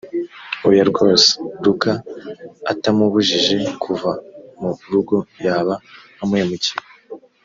oya rwose luka atamubujije kuva mu rugo yaba amuhemukiye